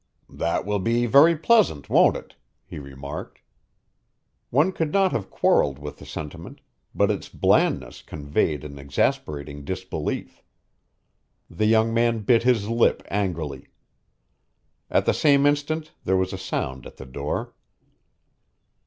"That will be very pleasant, won't it?" he remarked. One could not have quarreled with the sentiment, but its blandness conveyed an exasperating disbelief. The young man bit his lip angrily. At the same instant there was a sound at the door.